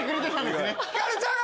ひかるちゃん